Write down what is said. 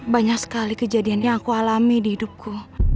banyak sekali kejadian yang aku alami di hidupku